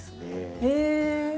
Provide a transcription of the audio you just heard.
へえ！